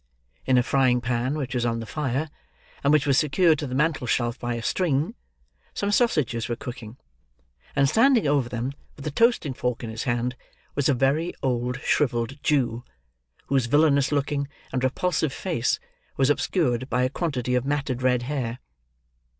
In a frying pan, which was on the fire, and which was secured to the mantelshelf by a string, some sausages were cooking; and standing over them, with a toasting fork in his hand, was a very old shrivelled Jew, whose villainous looking and repulsive face was obscured by a quantity of matted red hair.